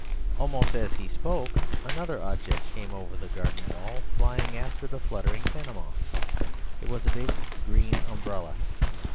Almost as he spoke, another object came over the garden wall, flying after the fluttering panama. It was a big green umbrella.